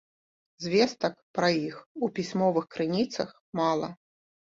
Звестак пра іх у пісьмовых крыніцах мала.